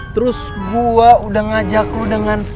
terus gue udah ngajak lu dengan